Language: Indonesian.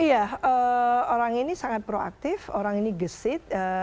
iya orang ini sangat proaktif orang ini gesit